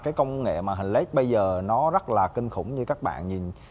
cái công nghệ màn hình led bây giờ nó rất là kinh khủng như các bạn nhìn